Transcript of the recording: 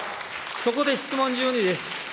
そこで質問１２です。